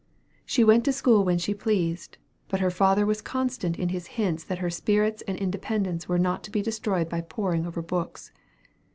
She went to school when she pleased; but her father was constant in his hints that her spirits and independence were not to be destroyed by poring over books.